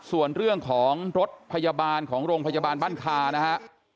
ส่วนเรื่องของรถพยาบาลของโรงพยาบาลบ้านคานะฮะ